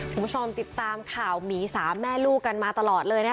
คุณผู้ชมติดตามข่าวหมีสามแม่ลูกกันมาตลอดเลยนะคะ